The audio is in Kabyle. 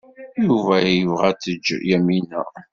Yuba yella yebɣa ad tejji Yamina.